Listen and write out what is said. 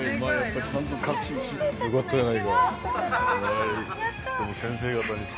舞衣よかったじゃないか